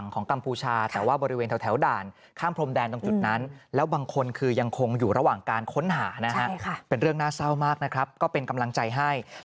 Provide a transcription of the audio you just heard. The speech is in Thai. กัมพูชาแต่ว่าบริเวณแถวด่านข้ามพรมแดนตรงจุดนั้นแล้วบางคนคือยังคงอยู่ระหว่างการค้นหานะฮะเป็นเรื่องน่าเศร้ามากนะครับก็เป็นกำลังใจให้